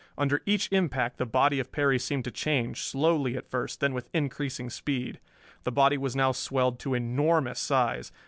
Under each impact the body of Perry seemed to change, slowly at first, then with increasing speed. The body was now swelled to enormous size.